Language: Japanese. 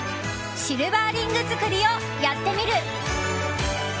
シルバーリング作りをやってみる。